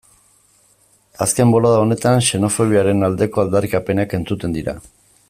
Azken bolada honetan xenofobiaren aldeko aldarrikapenak entzuten dira.